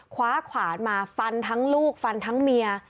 คว้าขวานมาฟันทั้งลูกฟันทั้งเมีย